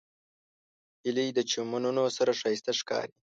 هیلۍ د چمنونو سره ښایسته ښکاري